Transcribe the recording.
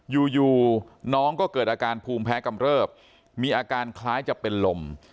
อยู่น้องก็เกิดอาการภูมิแพ้กำเริบมีอาการคล้ายจะเป็นลม